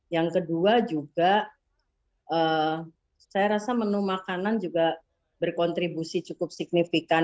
yang kedua juga saya rasa menu makanan juga berkontribusi cukup signifikan